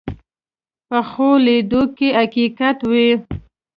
پخو لیدو کې حقیقت وي